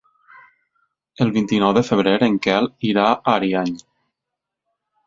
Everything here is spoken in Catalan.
El vint-i-nou de febrer en Quel irà a Ariany.